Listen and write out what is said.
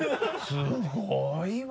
すごいわ。